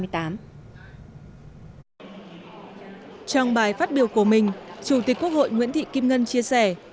trong bài phát biểu của mình chủ tịch quốc hội nguyễn thị kim ngân chia sẻ